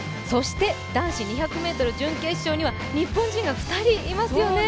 男子２００ｍ準決勝には日本人が２人いますよね。